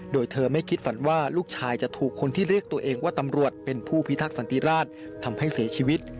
โดยเธอไม่คิดฝันว่าลูกชายจะถูกคนที่เรียกตัวเองว่าตำรวจเป็นผู้พิทักษันติราชทำให้เสียชีวิต